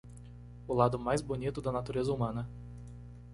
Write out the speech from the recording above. O lado mais bonito da natureza humana